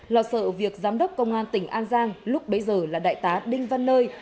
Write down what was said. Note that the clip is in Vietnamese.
lo sợ việc giám đốc công an tỉnh an giang lúc bấy giờ là đại tá đinh văn nơi